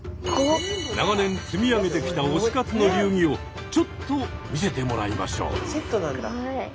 長年積み上げてきた推し活の流儀をちょっと見せてもらいましょう。